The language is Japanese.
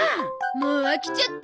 もう飽きちゃった。